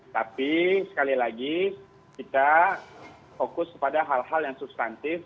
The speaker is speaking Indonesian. tapi sekali lagi kita fokus kepada hal hal yang substantif